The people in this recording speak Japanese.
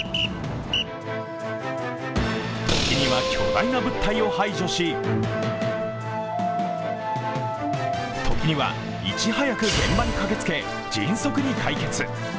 時には巨大な物体を排除し時にはいち早く現場に駆けつけ迅速に解決。